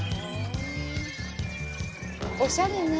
おしゃれね。